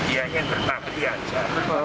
ianya terpaktian saja